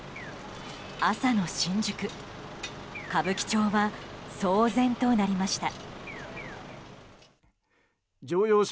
朝の新宿・歌舞伎町は騒然となりました。